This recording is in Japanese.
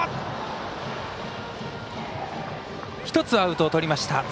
１つアウトをとりました。